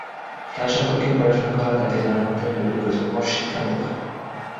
তাঁর সম্পর্কে পড়াশোনা করা, তাঁকে জানার মাধ্যমে নতুন প্রজন্ম শিক্ষা নিতে পারে।